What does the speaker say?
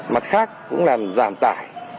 mặt khác cũng làm giảm tải